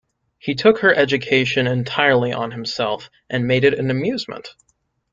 He took her education entirely on himself, and made it an amusement.